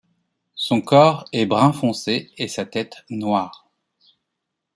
Son corps est brun foncé et sa tête noire.